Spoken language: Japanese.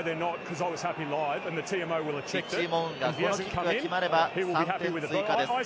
リッチー・モウンガ、このキックが決まれば３点追加です。